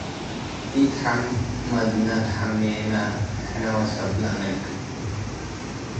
ኢተሐመድነ ተሐሜነ ሕነ ወሰብለ አነግብ